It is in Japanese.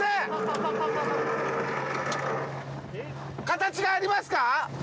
形がありますか？